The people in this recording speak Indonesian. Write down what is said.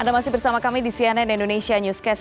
anda masih bersama kami di cnn indonesia newscast